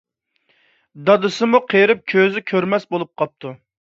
دادىسىمۇ قېرىپ كۆزى كۆرمەس بولۇپ قاپتۇ.